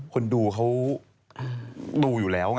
คนดูเขาดูอยู่แล้วไง